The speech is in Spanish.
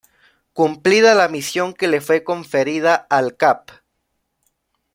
Cumplida la misión que le fue conferida al Cap.